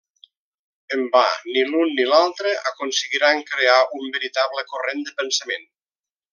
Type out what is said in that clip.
En va, ni l'u ni l'altre aconseguiran crear un veritable corrent de pensament.